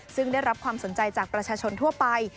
ซึ่งได้รับความสนใจจากประชาชนทั่วไป